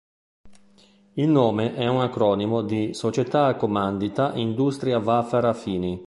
Il nome è un acronimo di "Società Accomandita Industria Wafer Affini".